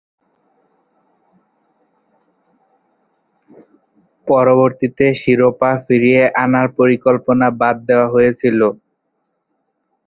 পরবর্তীতে শিরোপা ফিরিয়ে আনার পরিকল্পনা বাদ দেয়া হয়েছিল।